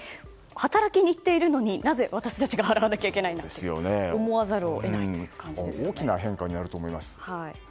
働きに行っているのになぜ私たちが払わないといけないのかと思わざるを得ないという大きな変化になると思います。